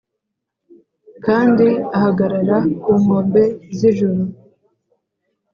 kandi ahagarara ku nkombe z'ijoro